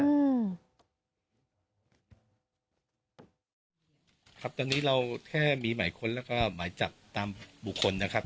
ครับตอนนี้เราแค่มีหมายค้นแล้วก็หมายจับตามบุคคลนะครับ